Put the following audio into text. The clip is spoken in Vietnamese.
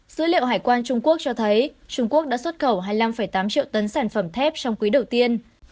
dữ liệu hải quan trung quốc cho thấy trung quốc đã xuất khẩu hai mươi năm tám triệu tấn sản phẩm thép trong quý đầu tiên